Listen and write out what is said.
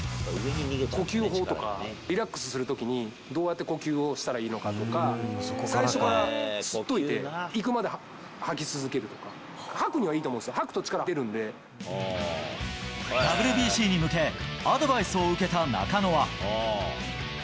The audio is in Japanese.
呼吸法とか、リラックスするときにどうやって呼吸をしたらいいのかとか、最初から吸っといて、行くまで吐き続けるとか、吐くのはいいと思うんですけど、ＷＢＣに向け、アドバイスを受けた中野は。